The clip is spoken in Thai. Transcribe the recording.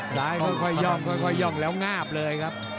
ซ้ายค่อยย่องแล้วงาบเลยครับ